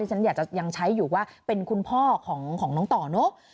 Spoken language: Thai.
ฉันอยากจะยังใช้อยู่ว่าเป็นคุณพ่อของน้องต่อเนอะ